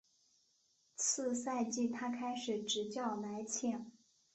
次赛季他开始执教莱切。